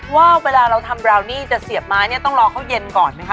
ว่าเวลาเราทำบราวนี่จะเสียบไม้เนี่ยต้องรอเขาเย็นก่อนไหมคะ